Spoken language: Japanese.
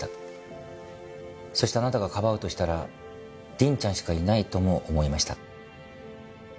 そしてあなたがかばうとしたら凛ちゃんしかいないとも思いました。